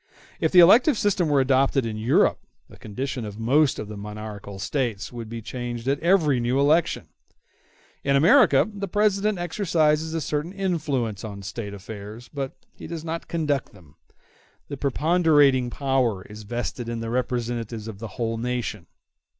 If the elective system were adopted in Europe, the condition of most of the monarchical States would be changed at every new election. In America the President exercises a certain influence on State affairs, but he does not conduct them; the preponderating power is vested in the representatives of the whole nation.